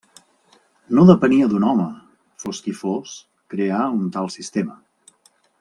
No depenia d'un home, fos qui fos, crear un tal sistema.